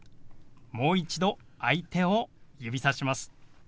もう一度相手を指さします。